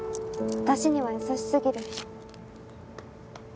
私には優しすぎる。